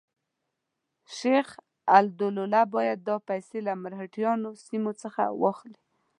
شجاع الدوله باید دا پیسې له مرهټیانو سیمو څخه واخلي.